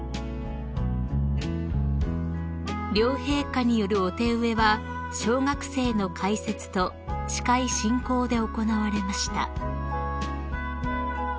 ［両陛下によるお手植えは小学生の解説と司会進行で行われました］